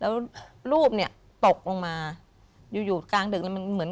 แล้วรูปเนี่ยตกลงมาอยู่อยู่กลางดึกแล้วมันเหมือน